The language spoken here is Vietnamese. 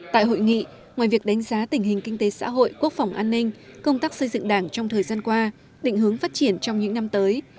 tại hội nghị ngoài việc đánh giá tình hình kinh tế xã hội quốc phòng an ninh công tác xây dựng đảng trong thời gian qua định hướng phát triển trong những năm tới